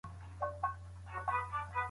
ټولنیز تحلیل د ستونزو ټولې ریښې نه ښيي.